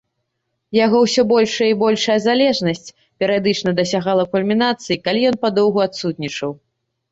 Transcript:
Яго ўсё большая і большая залежнасць перыядычна дасягала кульмінацыі, калі ён падоўгу адсутнічаў.